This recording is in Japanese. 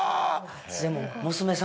でも。